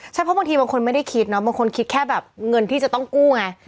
ใช่เพราะบางทีบางคนไม่ได้คิดเนาะบางคนคิดแค่แบบเงินที่จะต้องกู้ไง